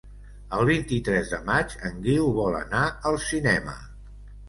El vint-i-tres de maig en Guiu vol anar al cinema.